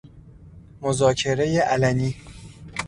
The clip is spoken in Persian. مذاکره علنی